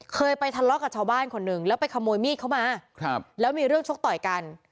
เคยไปทะเลาะกับชาวบ้านคนหนึ่งแล้วไปขโมยมีดเข้ามาแล้วมีเรื่องชกต่อยกัน